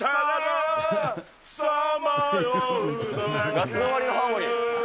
夏の終りのハーモニー。